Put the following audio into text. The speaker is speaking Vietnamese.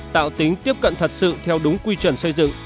tạo tính tiếp cận thật sự theo đúng quy chuẩn xây dựng